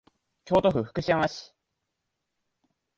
京都府福知山市